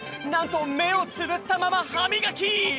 なんとめをつぶったままはみがき！